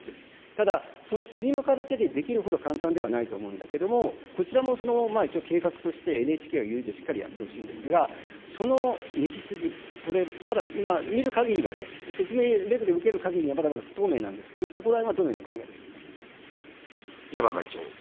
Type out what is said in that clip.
ただ、そのスリム化だけでできるほど簡単ではないと思うんだけれども、こちらも一応、計画としてＮＨＫが言う以上、しっかりやってほしいんですが、その道筋、これ、まだ今、見るかぎりは、説明、レクで受けるかぎりには、まだまだ不透明なんですけど、そこらへ稲葉会長。